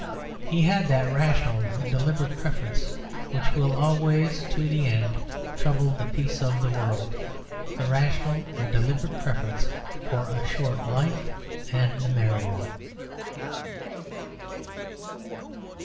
He had that rational and deliberate preference which will always to the end trouble the peace of the world, the rational and deliberate preference for a short life and a merry one.